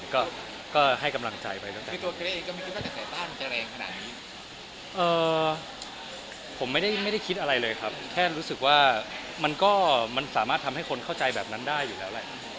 ก็ก็ให้กำลังใจไปแล้วก็ไม่ได้ไม่ได้คิดอะไรเลยครับแค่รู้สึกว่ามันก็มันสามารถทำให้คนเข้าใจแบบนั้นได้อยู่แล้วแหละ